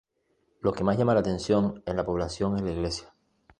Lo que más llama la atención en la población es la iglesia.